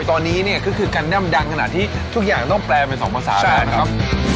ตอนนี้คือการดำดังขนาดที่ทุกอย่างต้องแปลเป็น๒ภาษาแล้วนะครับ